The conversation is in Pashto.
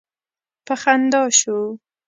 په خندا شو.